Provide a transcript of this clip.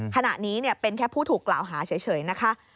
ขณะนี้เป็นแค่ผู้ถูกกล่าวหาเฉยนะคะ